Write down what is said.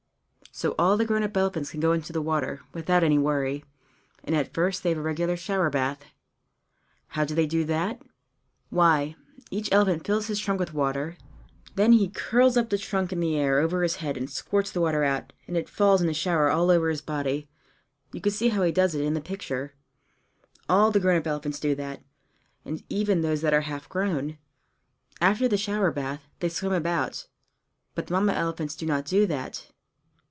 So all the grown up elephants can go into the water, without any worry. And at first they have a regular shower bath. How do they do that? Why, each elephant fills his trunk with water; then he curls up the trunk in the air over his head and squirts the water out, and it falls in a shower all over his body. You can see how he does it in the picture. All the grown up elephants do that, and even those that are half grown. After the shower bath, they swim about; but the Mamma elephants do not do that.